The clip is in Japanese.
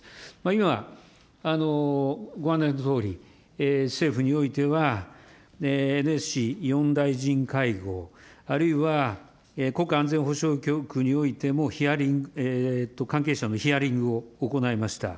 今、ご案内のとおり政府においてはＮＳＣ４大臣会合、あるいは国家安全保障においても関係者のヒアリングを行いました。